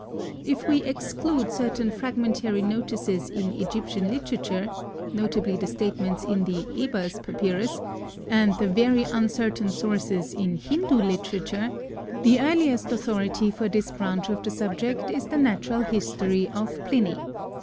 If we exclude certain fragmentary notices in Egyptian literature—notably the statements in the Ebers Papyrus—and the very uncertain sources in Hindu literature, the earliest authority for this branch of the subject is the Natural History of Pliny.